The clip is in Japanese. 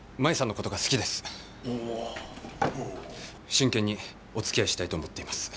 真剣におつきあいしたいと思っています。